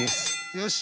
よし！